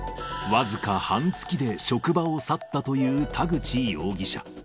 僅か半月で職場を去ったという田口容疑者。